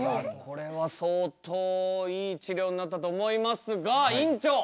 これは相当いい治療になったと思いますが院長